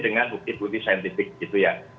dengan bukti bukti saintifik gitu ya